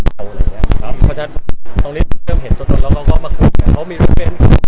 เขาจะต้องเห็นต้นแล้วก็มาคุยเขามีรุ่นเว้น